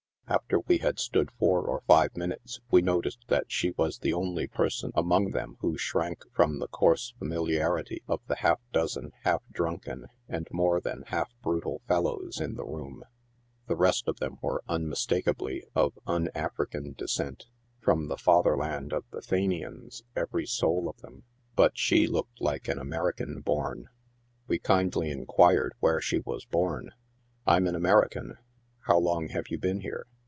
After we had stood four or five minutes, we noticed that she was the only person among them who shrank from the coarse familiarity of the half dozen half drunken, and more than half brutal fellows in the room. The rest of them were unmistakably of un African descent — from the fatherland of the Fenians, every soul of them — but sho looked like an American born. We kindly inquired where she was born. " I'm an American." " How long have you been here